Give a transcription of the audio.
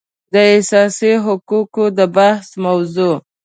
د اساسي حقوقو د بحث موضوع